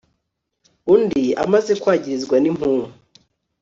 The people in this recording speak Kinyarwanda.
Undi amaze kwagirizwa nimpumu